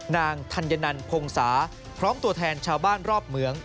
ธัญนันพงศาพร้อมตัวแทนชาวบ้านรอบเมือง